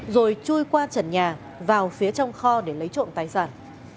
rồi chui qua trần nhà vào phía trong kho để lấy trộm tài sản